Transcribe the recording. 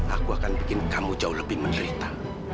aku akan bikin kamu jauh lebih menderita